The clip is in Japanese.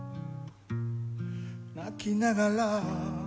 「泣きながら」